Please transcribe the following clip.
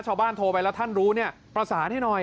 ชาวบ้านโทรไปแล้วท่านรู้นี่ประสานให้หน่อย